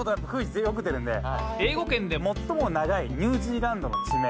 英語圏で最も長いニュージーランドの地名。